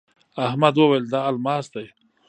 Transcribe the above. احمد وويل: دا الماس دی.